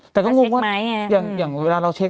แต่ก็งงว่าอย่างเวลาเราเช็ค